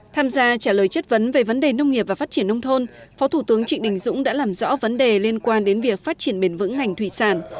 tham gia trả lời chất vấn về vấn đề nông nghiệp và phát triển nông thôn phó thủ tướng trịnh đình dũng đã làm rõ vấn đề liên quan đến nông nghiệp